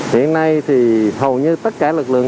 hiện nay thì hầu như tất cả lực lượng